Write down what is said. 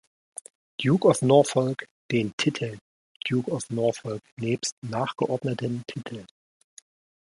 Duke of Norfolk den Titel Duke of Norfolk nebst nachgeordneten Titeln.